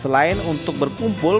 selain untuk berkumpul